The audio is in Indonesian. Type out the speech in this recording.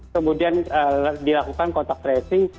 kemudian dilakukan kontak tracing